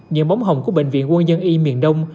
những bóng hồng của bệnh viện quân dân y miền đông